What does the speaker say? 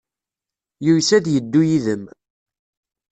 Yuyes ad yeddu yid-m.